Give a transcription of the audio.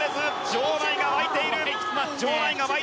場内が沸いている！